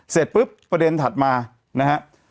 เสร็จปุ๊บประเด็นถัดมานะฮะ